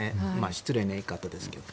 失礼な言い方ですけど。